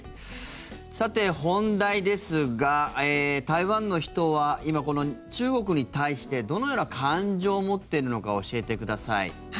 さて、本題ですが台湾の人は今、中国に対してどのような感情を持っているのか教えてください。